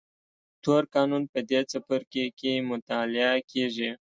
تور قانون په دې څپرکي کې مطالعه کېږي.